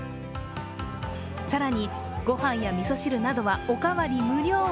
更に、ご飯やみそ汁などはおかわり無料。